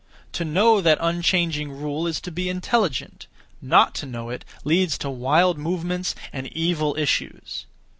To know that unchanging rule is to be intelligent; not to know it leads to wild movements and evil issues.